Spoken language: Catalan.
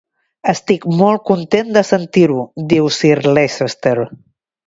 "Estic molt content de sentir-ho", diu Sir Leicester.